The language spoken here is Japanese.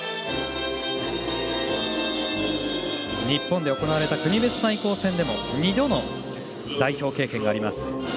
日本で行われた国別対抗戦でも２度の代表経験があります